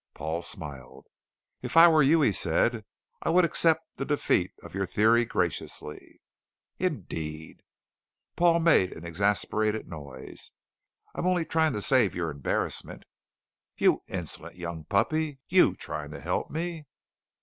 Paul smiled. "If I were you," he said, "I would accept the defeat of your theory graciously." "Indeed." Paul made an exasperated noise. "I'm only trying to save your embarrassment " "You insolent young puppy! You trying to help me!"